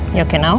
kamu oke sekarang